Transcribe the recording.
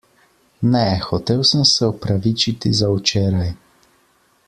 Ne, hotel sem se opravičiti za včeraj.